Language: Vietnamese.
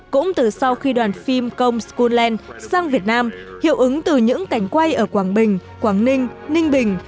cũng từ sau khi đoàn phim công school land sang việt nam hiệu ứng từ những cảnh quay ở quảng bình quảng ninh ninh bình